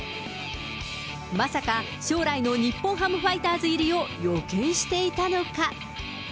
まさか、将来の日本ハムファイターズ入りを予見していたのか。